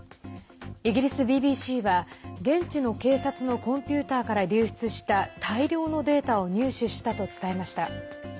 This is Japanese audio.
イギリスＢＢＣは、現地の警察のコンピューターから流出した大量のデータを入手したと伝えました。